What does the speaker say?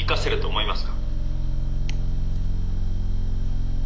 思います。